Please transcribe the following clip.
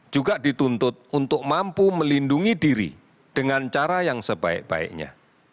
juga dituntut untuk mampu melindungi diri dengan cara yang sebaik baiknya